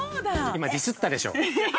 ◆今ディスったでしょう。